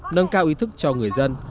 nâng cao ý thức cho người dân